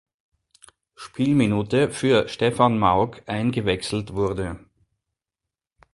Spielminute für Stefan Mauk eingewechselt wurde.